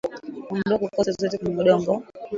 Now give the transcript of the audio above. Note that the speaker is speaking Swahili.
Ondoa kokoto zote kwenye udongo